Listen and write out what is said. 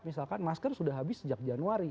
misalkan masker sudah habis sejak januari